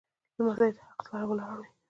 لمسی له حق سره ولاړ وي.